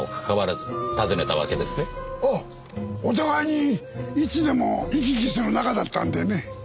お互いにいつでも行き来する仲だったんでね。